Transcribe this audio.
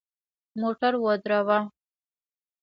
موټر ودروه !